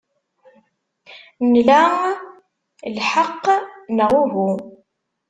Nla lḥeqq, neɣ uhu?